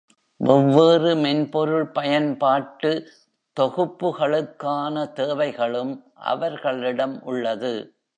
வெவ்வேறு மென்பொருள் பயன்பாட்டு தொகுப்புகளுக்கான தேவைகளும் அவர்களிடம் உள்ளது.